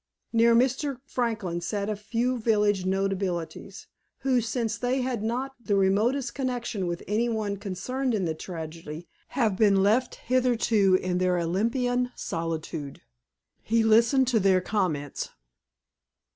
Near Mr. Franklin sat a few village notabilities, who, since they had not the remotest connection with anyone concerned in the tragedy, have been left hitherto in their Olympian solitude. He listened to their comments.